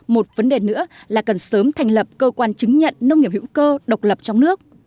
một vấn đề nữa là cần sớm thành lập cơ quan chứng nhận nông nghiệp hữu cơ độc lập trong nước